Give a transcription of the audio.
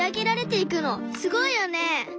すごいよね！